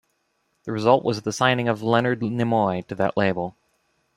The result was the signing of Leonard Nimoy to that label.